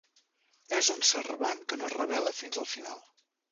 És un servant que no es revela fins al final.